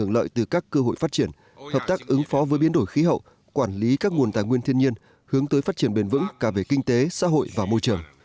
lợi từ các cơ hội phát triển hợp tác ứng phó với biến đổi khí hậu quản lý các nguồn tài nguyên thiên nhiên hướng tới phát triển bền vững cả về kinh tế xã hội và môi trường